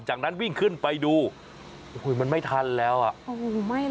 จากนั้นวิ่งขึ้นไปดูมันไม่ทันแล้วอ่ะ